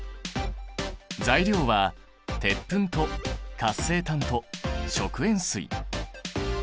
材料は鉄粉と活性炭と食塩水。